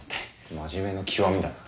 真面目の極みだな。